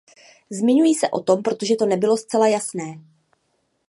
Zmiňuji se o tom, protože to nebylo zcela jasné.